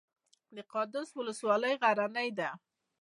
د قادس ولسوالۍ غرنۍ ده